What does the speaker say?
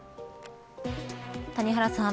谷原さん